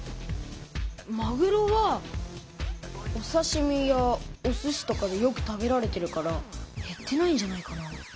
まぐろはおさしみやおすしとかでよく食べられてるからへってないんじゃないかな。